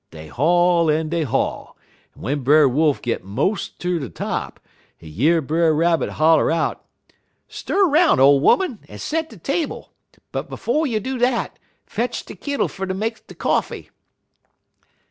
Dey haul en dey haul, en w'en Brer Wolf git mos' ter de top he year Brer Rabbit holler out: "'Stir 'roun', ole 'oman, en set de table; but 'fo' you do dat, fetch de kittle fer ter make de coffee.'